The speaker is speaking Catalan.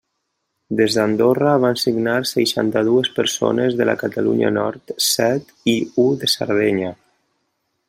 Des d'Andorra van signar seixanta-dues persones, de la Catalunya Nord, set, i u de Sardenya.